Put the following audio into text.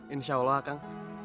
insya allah kak kang